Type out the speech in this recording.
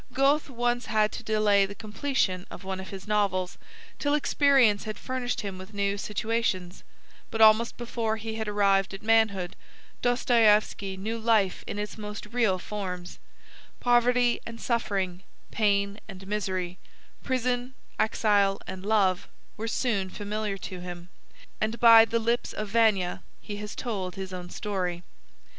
Goethe once had to delay the completion of one of his novels till experience had furnished him with new situations, but almost before he had arrived at manhood Dostoieffski knew life in its most real forms; poverty and suffering, pain and misery, prison, exile, and love, were soon familiar to him, and by the lips of Vania he has told his own story.